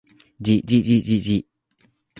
じじじじじ